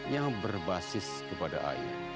yang berbasis kepada air